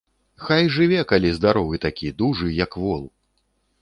Хай жыве, калі здаровы такі, дужы, як вол.